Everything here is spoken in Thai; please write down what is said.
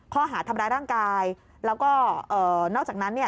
ข้อหาทำร้ายร่างกายแล้วก็เอ่อนอกจากนั้นเนี่ย